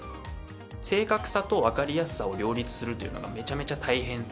正確さとわかりやすさを両立するというのがめちゃめちゃ大変。